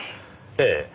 ええ。